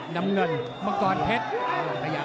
น้ำเงินมังกรเพชร